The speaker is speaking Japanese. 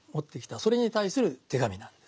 それに対する手紙なんです。